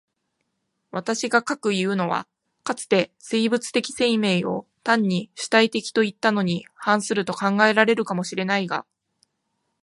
私が斯くいうのは、かつて生物的生命を単に主体的といったのに反すると考えられるかも知れないが、